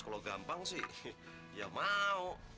kalau gampang sih ya mau